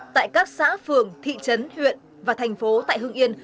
tại các xã phường thị trấn huyện và thành phố tại hương yên